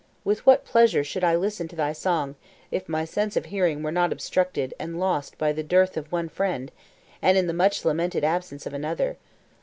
with what pleasure should I listen to thy song, if my sense of hearing were not obstructed and lost by the death of one friend, and in the much lamented absence of another.